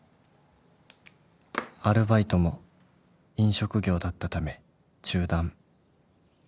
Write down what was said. ［アルバイトも飲食業だったため中断］